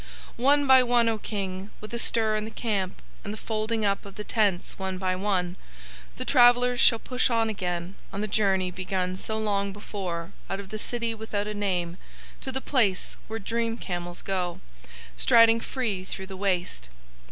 "One by one, O King, with a stir in the camp, and the folding up of the tents one by one, the travellers shall push on again on the journey begun so long before out of the City without a name to the place where dream camels go, striding free through the Waste.